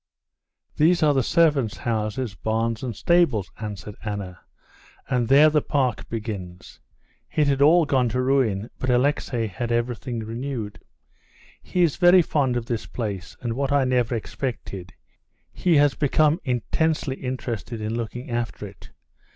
"These are the servants' houses, barns, and stables," answered Anna. "And there the park begins. It had all gone to ruin, but Alexey had everything renewed. He is very fond of this place, and, what I never expected, he has become intensely interested in looking after it.